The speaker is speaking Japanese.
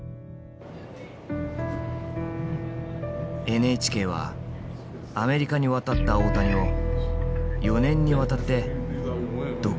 ＮＨＫはアメリカに渡った大谷を４年にわたって独自に記録してきた。